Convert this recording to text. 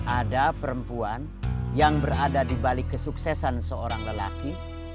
ada perempuan yang berada di balik kesuksesan seorang lelaki